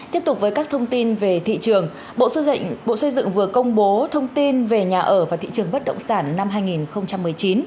tiếp tục với các thông tin về thị trường bộ xây dựng vừa công bố thông tin về nhà ở và thị trường vất động sản năm hai nghìn một mươi chín